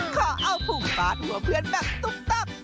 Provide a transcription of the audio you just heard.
ขอเอาผุงฟาดหัวเพื่อนแบบตุ๊บตับ